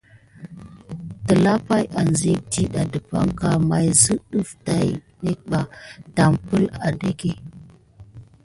Telapay anziyek diɗɑ dəbiyanka may sap də teky adaddəɗ əŋka.